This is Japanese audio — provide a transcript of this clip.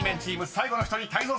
最後の１人泰造さん